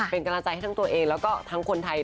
เป็นกำลังใจให้ทั้งตัวเองแล้วก็ทั้งคนไทย